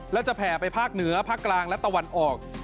แล้วจะแผ่ไปภาคเหนือภาคกลางและตะวันออก